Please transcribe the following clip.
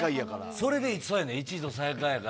それで、そやねん、１位と最下位やから。